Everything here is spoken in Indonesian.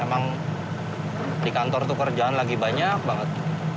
emang di kantor tuh kerjaan lagi banyak banget